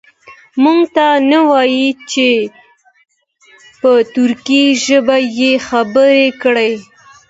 موږ ته نه وایي چې په ترکي ژبه یې خبرې کړي.